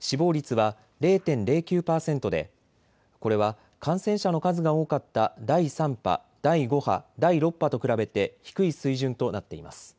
死亡率は０．０９％で、これは感染者の数が多かった第３波、第５波、第６波と比べて低い水準となっています。